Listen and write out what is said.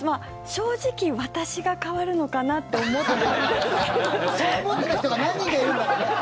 正直、私が代わるのかなって思って。